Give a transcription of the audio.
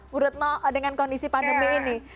menurut nel dengan kondisi pandemi ini